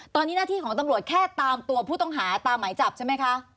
ตอนนี้หน้าที่ของตำรวจแค่ตามตัวผู้ต้องหาตามหมายจับใช่ไหมคะ